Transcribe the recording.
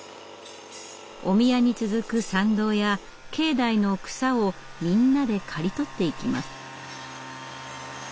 お宮に続く参道や境内の草をみんなで刈り取っていきます。